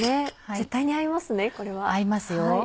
絶対に合いますねこれは。合いますよ。